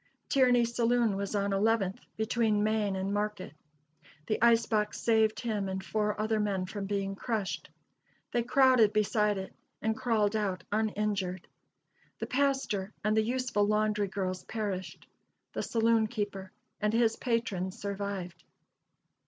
Tierney's saloon was on Eleventh, between Main and Market. The ice box saved him and four other men from being crushed. They crowded beside it, and crawled out uninjured. The pastor and the useful laundry girls perished; the saloon keeper and his patrons survived.